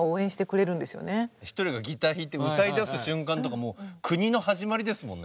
１人がギター弾いて歌いだす瞬間とかもう国のはじまりですもんね